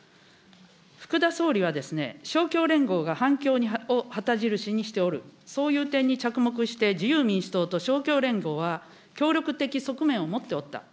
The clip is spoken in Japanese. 福田総理は、勝共連合が反共を旗印にしておる、そういう点に着目して、自由民主党と勝共連合は協力的側面を持っておった。